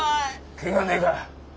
ケガねえか？